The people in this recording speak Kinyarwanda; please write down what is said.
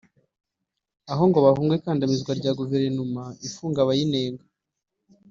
aho ngo bahunga ikandamizwa rya guverinoma ifunga abayinenga